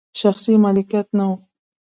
شخصي مالکیت نه و.